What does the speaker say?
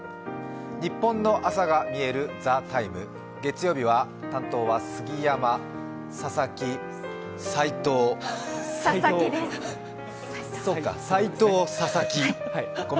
ニッポンの朝がみえる「ＴＨＥＴＩＭＥ，」月曜日は担当は杉山、齋藤、佐々木。